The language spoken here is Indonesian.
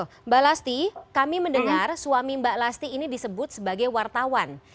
mbak lasti kami mendengar suami mbak lasti ini disebut sebagai wartawan